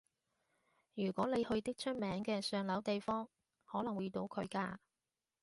如果你去啲出名嘅上流地方，可能會遇到佢㗎